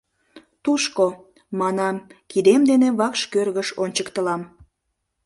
— Тушко! — манам, кидем дене вакш кӧргыш ончыктылам.